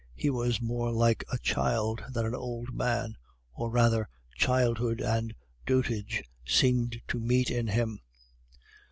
He was more like a child than an old man; or, rather, childhood and dotage seemed to meet in him.